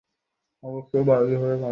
Sir, আমি সঁই করব না।